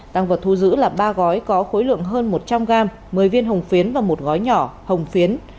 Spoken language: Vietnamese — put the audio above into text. tăng vật thu giữ là ba gói có khối lượng hơn một trăm linh gram một mươi viên hồng phiến và một gói nhỏ hồng phiến